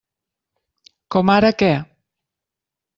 Com ara què?